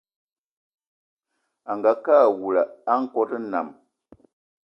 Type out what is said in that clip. Angakë awula a nkòt nnam